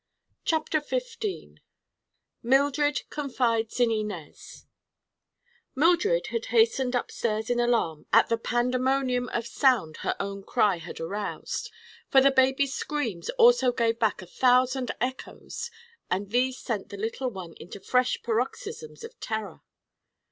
CHAPTER XV—MILDRED CONFIDES IN INEZ Mildred had hastened upstairs in alarm at the pandemonium of sound her own cry had aroused, for the baby's screams also gave back a thousand echoes and these sent the little one into fresh paroxysms of terror.